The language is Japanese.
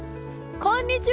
こんにちは。